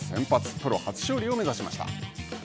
プロ初勝利を目指しました。